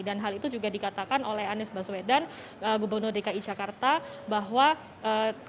dan hal itu juga dikatakan oleh anies baswedan gubernur dki jakarta bahwa ketika pagi tadi sudah ada tujuh puluh data yang masuk akun yang sudah terbuat